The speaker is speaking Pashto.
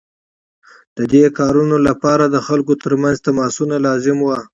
د دې کارونو لپاره د خلکو ترمنځ تماسونه لازم وو.